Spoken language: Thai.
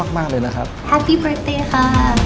สวัสดีค่ะ